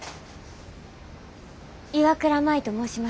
岩倉舞と申します。